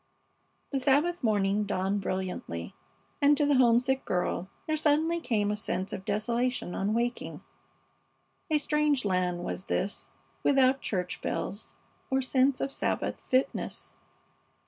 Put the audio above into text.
The Sabbath morning dawned brilliantly, and to the homesick girl there suddenly came a sense of desolation on waking. A strange land was this, without church bells or sense of Sabbath fitness.